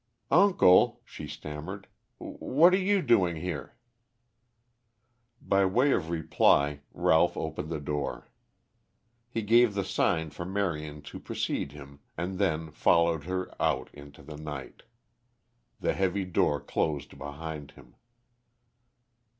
"Uncle," she stammered, "what are you doing here?" By way of reply Ralph opened the door. He gave the sign for Marion to precede him, and then followed her out into the night. The heavy door closed behind him.